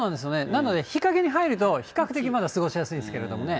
なので日陰に入ると比較的まだ過ごしやすいんですけれどもね。